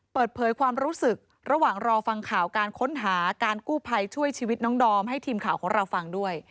เปิดเผยความรู้สึกระหว่างรอฟังข่าวการค้นหาการกู้ภัยช่วยชีวิตน้องดอมให้ทีมข่าวของเราฟังด้วย